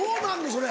それ。